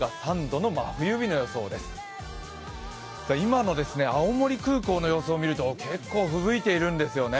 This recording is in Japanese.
今の青森空港の様子を見ると結構ふぶいているんですよね。